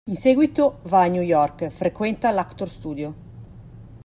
In seguito va a New York, frequenta l'Actors Studio.